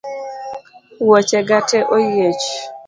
Wuoche ga tee oyiech